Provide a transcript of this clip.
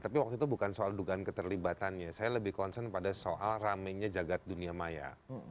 tapi waktu itu bukan soal dugaan keterlibatannya saya lebih concern pada soal ramenya jagad dunia maya